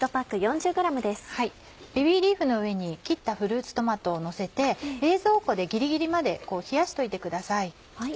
ベビーリーフの上に切ったフルーツトマトをのせて冷蔵庫でギリギリまで冷やしといてください。